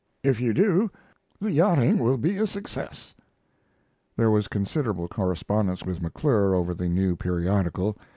If you do, the yachting will be a success. There was considerable correspondence with McClure over the new periodical.